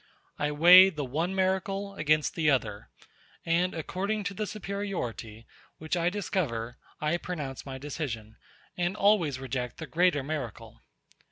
I weigh the one miracle against the other; and according to the superiority, which I discover, I pronounce my decision, and always reject the greater miracle.